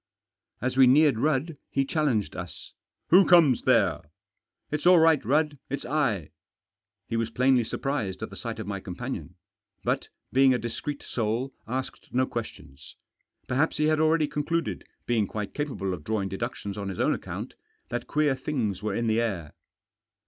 As we neared Rudd he challenged us. " Who comes there ?" "It's all right, Rudd; it's I." He was plainly surprised at the sight of my companion. But, being a discreet soul, asked no questions. Perhaps he had already concluded — being quite capable of drawing deductions on his own account — that queer things were in the air.